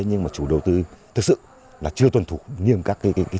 nhưng mà chủ đầu tư thực sự là chưa tuân thủ nghiêm các cái chỉ đạo